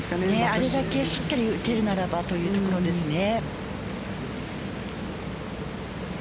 あれだけしっかり打てるならばというところですね。